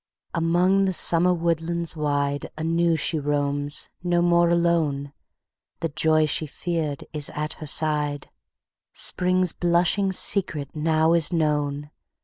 Among the summer woodlands wideAnew she roams, no more alone; The joy she fear'd is at her side, Spring's blushing secret now is known.